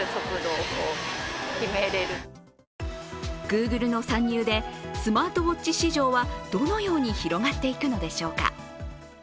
グーグルの参入でスマートウォッチ市場はどのように広がっていくのでしょうか。